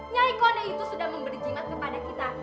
nyai kode itu sudah memberi jimat kepada kita